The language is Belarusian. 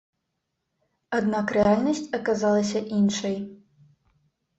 Аднак рэальнасць аказалася іншай.